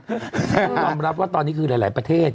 ยอมรับว่าตอนนี้คือหลายประเทศ